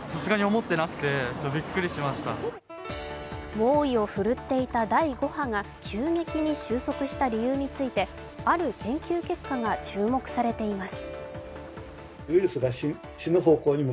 猛威を振るっていた第５波が急激に収束した理由についてある研究結果が注目されています。